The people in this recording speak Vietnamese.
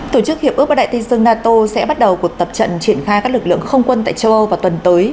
tổ chức hiệp ước bắc đại tây dương nato sẽ bắt đầu cuộc tập trận triển khai các lực lượng không quân tại châu âu vào tuần tới